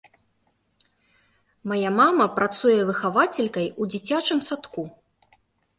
Мая мама працуе выхавацелькай у дзіцячым садку.